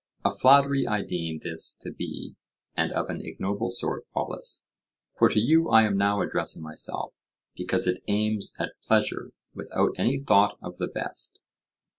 A flattery I deem this to be and of an ignoble sort, Polus, for to you I am now addressing myself, because it aims at pleasure without any thought of the best.